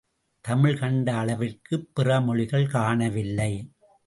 தமிழ் கண்ட அளவிற்குப் பிற மொழிகள் காணவில்லை.